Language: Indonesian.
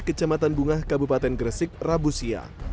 kecamatan bungah kabupaten gresik rabusia